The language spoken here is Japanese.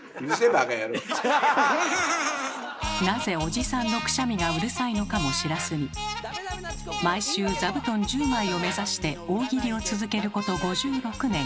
なぜおじさんのくしゃみがうるさいのかも知らずに毎週座布団１０枚を目指して大喜利を続けること５６年。